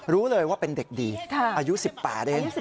รู้เลยว่าเป็นเด็กดีอายุ๑๘เอง